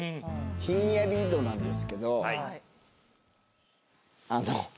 ひんやり度なんですけどあの。